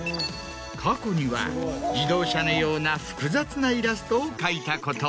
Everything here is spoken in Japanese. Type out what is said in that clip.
過去には自動車のような複雑なイラストを描いたことも。